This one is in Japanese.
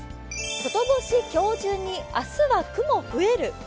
外干し今日中に、明日は雲増える。